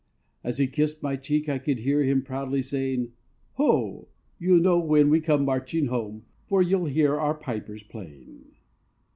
As he kissed my cheek, I could hear him proudly saying: "Ho! you'll know when we come marching home, For you'll hear our pipers playing."